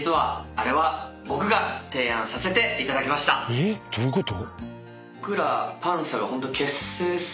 えっ？どういうこと？